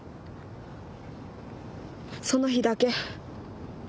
その日だけ？